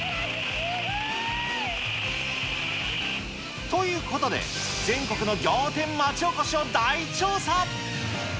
すということで、全国の仰天町おこしを大調査。